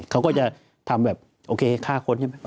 เขาก็จะทำแบบโอเคฆ่าคนใช่ไหม